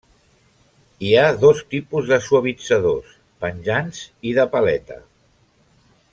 Hi ha dos tipus de suavitzadors: penjants i de paleta.